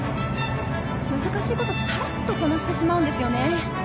難しいことをさらっとこなしてしまうんですよね。